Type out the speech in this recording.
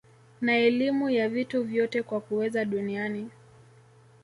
na elimu ya vitu vyote kwa kuweza duniani